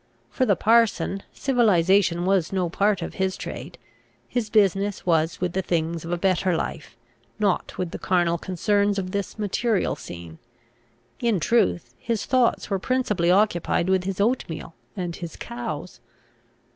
For the parson, civilisation was no part of his trade; his business was with the things of a better life, not with the carnal concerns of this material scene; in truth, his thoughts were principally occupied with his oatmeal and his cows.